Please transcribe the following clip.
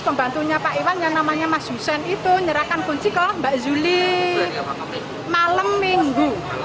pembantunya pak iwan yang namanya mas hussein itu nyerahkan kunci ke mbak zuli malam minggu